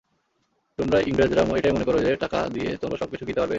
তোমরা ইংরেজরা এটাই মনে করো যে, টাকা দিয়ে তোমরা সবকিছু কিনতে পারবে?